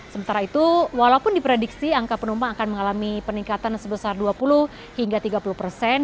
sementara itu walaupun diprediksi angka penumpang akan mengalami peningkatan sebesar dua puluh hingga tiga puluh persen